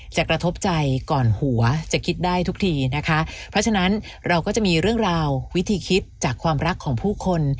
กระทบใจก่อนหัวจะคิดได้ทุกทีนะคะเพราะฉะนั้นเราก็จะมีเรื่องราววิธีคิดจากความรักของผู้คน